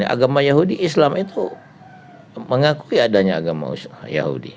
agama yahudi islam itu mengakui adanya agama yahudi